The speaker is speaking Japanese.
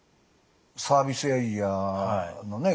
サービスエリアのね